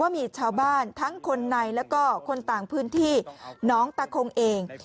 มีชาวบ้านทั้งคนในแล้วก็คนต่างพื้นที่น้องตะคงเอง